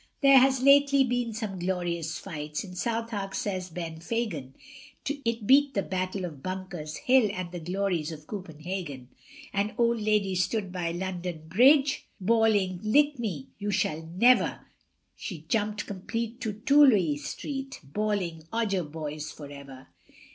There has lately been some glorious fights, In Southwark, says Ben Fagan. It beat the Battle of Bunker's Hill, And the glories of Copenhagen; An old lady stood by London Bridge, Bawling, lick me you shall never, She jumped complete to Toloey Street, Bawling, Odger, boys, for ever.